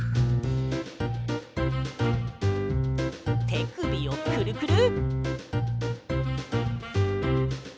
てくびをクルクル。